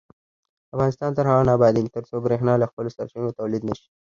افغانستان تر هغو نه ابادیږي، ترڅو بریښنا له خپلو سرچینو تولید نشي.